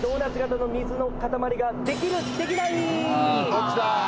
どっちだ。